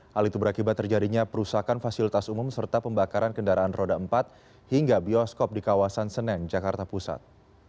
hal itu berakibat terjadinya perusakan fasilitas umum serta pembakaran kendaraan roda empat hingga bioskop di kawasan senen jakarta pusat